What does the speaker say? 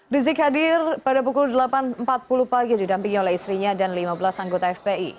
rizik hadir pada pukul delapan empat puluh pagi didampingi oleh istrinya dan lima belas anggota fpi